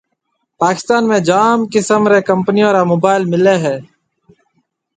پاڪستان ۾ جام قسم رَي ڪمپنيون را موبائل مليَ ھيََََ